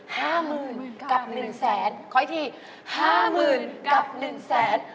ห้าหมื่นกับหนึ่งแสน